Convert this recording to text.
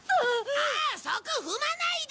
ああそこ踏まないで！